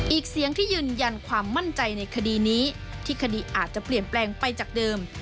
อีกเสียงที่ยืนยันความมั่นใจในคดีนี้ที่คดีอาจจะเปลี่ยนแปลงไปจากเดิม